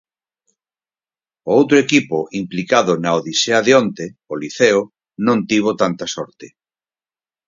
O outro equipo implicado na odisea de onte, o Liceo, non tivo tanta sorte.